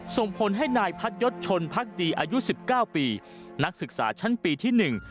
ส่งผลให้นายพัดยศชนพักดีอายุสิบเก้าปีนักศึกษาชั้นปีที่หนึ่ง